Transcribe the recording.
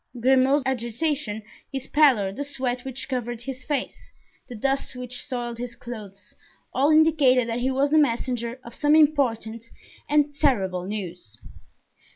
Grimaud's agitation, his pallor, the sweat which covered his face, the dust which soiled his clothes, all indicated that he was the messenger of some important and terrible news.